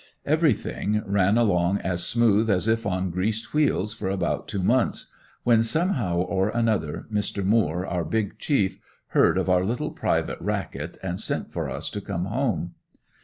Everything ran along as smooth as if on greased wheels for about two months, when somehow or another, Mr. Moore, our big chief, heard of our little private racket and sent for us to come home.